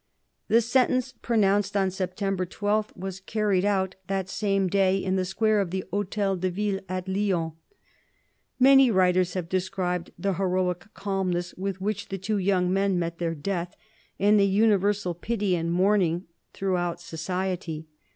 The sentence, pronounced on September 12, was carried out that same day in the square of the Hotel de Ville at Lyons. Many writers have described the heroic calmness with which the two young men met their death and the universal pity and mourning throughout society.